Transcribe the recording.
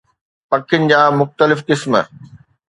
پکين جا مختلف قسم